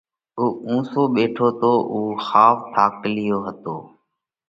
اُو نِيسو ٻيٺو تو۔ اُو ۿاوَ ٿاڪلِيو هتو۔